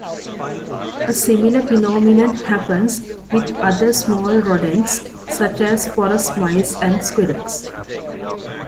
A similar phenomenon happens with other small rodents such as forest mice and squirrels.